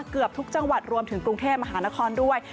เกือบทุกจังหวัดรวมถึงกรุงเทพมหานครด้วย